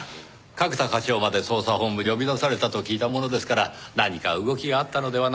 角田課長まで捜査本部に呼び出されたと聞いたものですから何か動きがあったのではないかと。